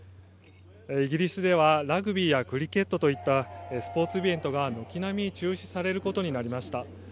イギリスではラグビーやクリケットといったスポーツイベントが、軒並み中止されることになりました。